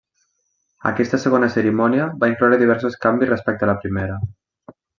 Aquesta segona cerimònia va incloure diversos canvis respecte a la primera.